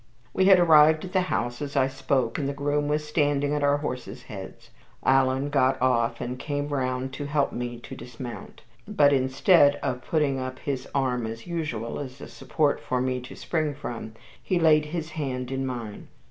We had arrived at the house as I spoke, and the groom was standing at our horses' heads. Alan got off and came round to help me to dismount; but instead of putting up his arm as usual as a support for me to spring from, he laid his hand on mine.